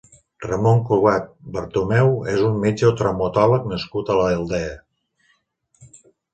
Ramón Cugat Bertomeu és un metge traumatòleg nascut a l'Aldea.